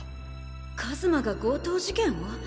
一馬が強盗事件を！？